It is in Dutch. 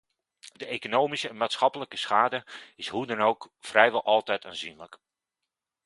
De economische en maatschappelijke schade is hoe dan ook vrijwel altijd aanzienlijk.